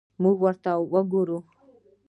موږ ورته ګورو.